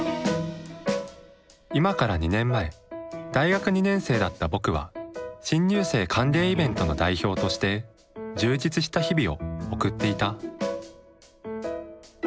今から２年前大学２年生だった僕は新入生歓迎イベントの代表として充実した日々を送っていた。